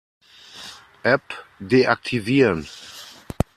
App deaktivieren.